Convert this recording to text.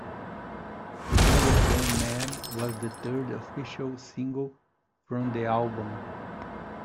"Rubber Band Man" was the third official single from the album.